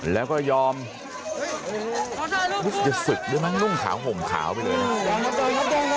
แล้วก็ยอมรู้สึกด้วยนั่งนุ่งขาวห่มขาวไปเลยนะ